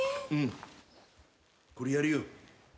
これやるよ。